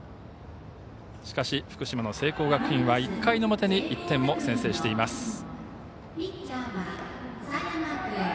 しかし、福島の聖光学院は１回の表に１点を先制しています。